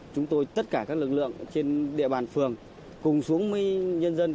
chúng tôi tất cả các lực lượng trên địa bàn phường cùng xuống với nhân dân